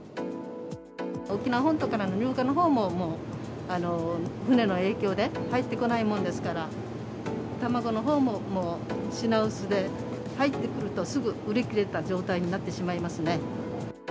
沖縄本島からの入荷のほうも、もう船の影響で入ってこないものですから、卵のほうも、もう品薄で、入ってくるとすぐ売り切れた状態になってしまいますね。